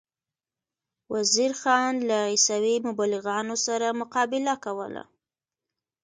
وزیر خان له عیسوي مبلغانو سره مقابله کوله.